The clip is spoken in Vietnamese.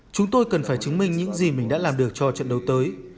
chúng tôi cần phải chứng minh những gì mình đã làm được cho trận đấu tới